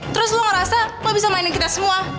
terus lo ngerasa lo bisa mainin kita semua